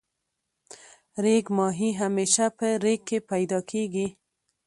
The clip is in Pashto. ریګ ماهی همیشه په ریګ کی پیدا کیږی.